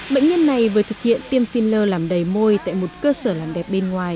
bệnh nhân này vừa thực hiện tiêm filler làm đầy môi tại một cơ sở làm đẹp bên ngoài